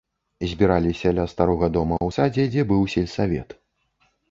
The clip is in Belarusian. Збіраліся ля старога дома ў садзе, дзе быў сельсавет.